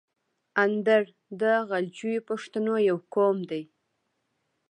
اندړ د غلجیو پښتنو یو قوم ده.